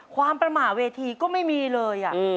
ความประมาทเวทีก็ไม่มีเลย